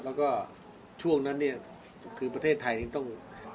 แล้วก็ช่วงนั้นเนี่ยคือประเทศไทยยังต้อง